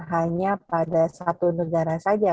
hanya pada satu negara saja